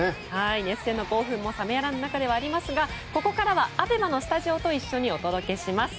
熱戦の興奮も冷めやらぬ中ではありますがここからはＡＢＥＭＡのスタジオと一緒にお届けします。